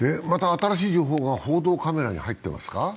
また新しい情報が報道カメラに入ってますか？